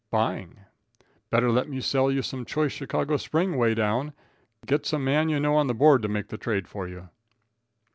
"Buying." "Better let me sell you some choice Chicago Spring way down. Get some man you know on the Board to make the trade for you."